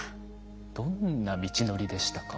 どんな道のりでしたか？